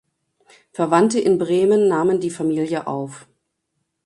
Verwandte in Bremen nahmen die Familie auf.